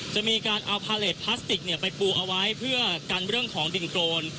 จะมีการเอาพาเลสพลาสติกไปปูเอาไว้เพื่อกันเรื่องของดินโครน